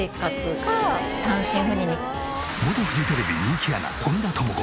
元フジテレビ人気アナ本田朋子